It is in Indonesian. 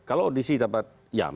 kalau gc dapat